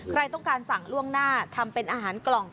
ใครต้องการสั่งล่วงหน้าทำเป็นอาหารกล่อง